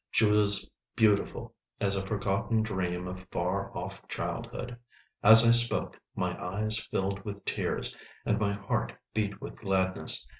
She was beautiful as a forgotten dream of far off childhood. As I spoke my eyes filled with tears, and my heart beat with gladness.